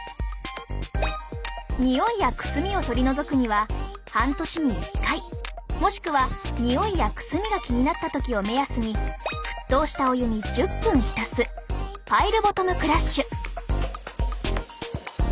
においやくすみを取り除くには半年に１回もしくはにおいやくすみが気になった時を目安に沸騰したお湯に１０分ひたすパイルボトムクラッシュ。